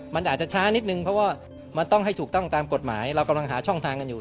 มันอาจจะช้านิดนึงเพราะว่ามันต้องให้ถูกต้องตามกฎหมายเรากำลังหาช่องทางกันอยู่